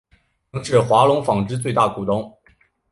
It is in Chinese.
曾是华隆纺织最大股东。